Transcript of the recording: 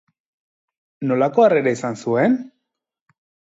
Nolako harrera izan zuen?